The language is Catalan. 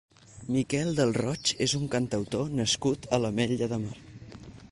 Miquel del Roig és un cantautor nascut a l'Ametlla de Mar.